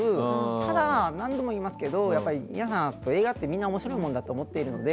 ただ、何度も言いますけど皆さん映画って面白いものだと思っているので。